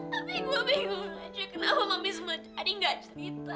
tapi gue bingung aja kenapa mami semua tadi gak cerita